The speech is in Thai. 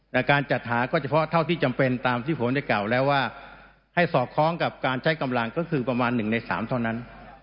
แต่การจัดหาก็เฉพาะเท่าที่จำเป็นตามที่ผมได้กล่าวแล้วว่าให้สอดคล้องกับการใช้กำลังก็คือประมาณ๑ใน๓เท่านั้น